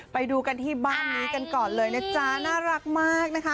ไปดูกันที่บ้านนี้กันก่อนเลยนะจ๊ะน่ารักมากนะคะ